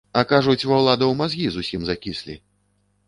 А кажуць, ва ўладаў мазгі зусім закіслі!